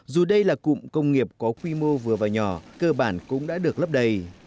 dù đây là cụm công nghiệp có quy mô vừa và nhỏ cơ bản cũng đã được lấp đầy